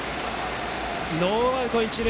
ノーアウト一塁。